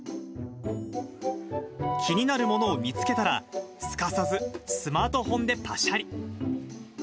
気になるものを見つけたら、すかさずスマートフォンでぱしゃり。